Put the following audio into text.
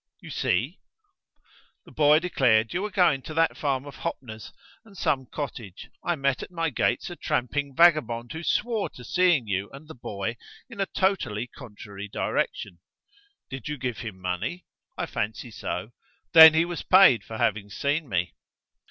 "You see." "The boy declared you were going to that farm of Hoppner's, and some cottage. I met at my gates a tramping vagabond who swore to seeing you and the boy in a totally contrary direction." "Did you give him money?" "I fancy so." "Then he was paid for having seen me."